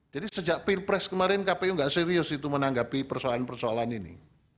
jadi sejak pilpres kemarin kpu enggak serius itu menanggapi persoalan persoalan ini